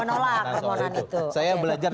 menolak permohonan itu